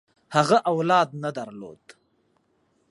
هغه اولاد نه درلود.